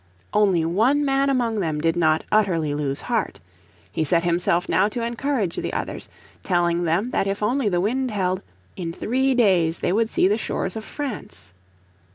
Only one man among them did not utterly lose heart. He set himself now to encourage the others, telling them that if only the wind held, in three days they would see the shores of France.